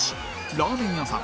ラーメン屋さん